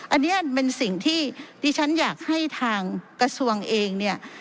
อันนี้เป็นสิ่งที่ดิฉันอยากให้ทางกระทรวงเองเนี่ย